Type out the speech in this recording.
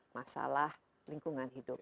masalah lingkungan hidup